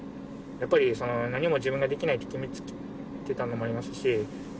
やっぱりその何も自分ができないと決めつけていたのもありますし。